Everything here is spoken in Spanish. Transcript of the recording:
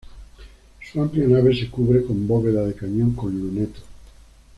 Su amplia nave se cubre con bóveda de cañón con lunetos.